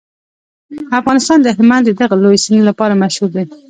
افغانستان د هلمند د دغه لوی سیند لپاره مشهور دی.